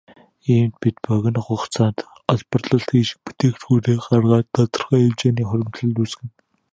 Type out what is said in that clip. Иймд бид богино хугацаанд олборлолт хийж бүтээгдэхүүнээ гаргаад тодорхой хэмжээний хуримтлал үүсгэнэ.